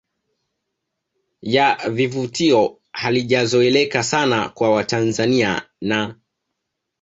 ya vivutio halijazoeleka sana kwa Watanzania na